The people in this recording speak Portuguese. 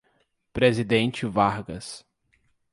Presidente Vargas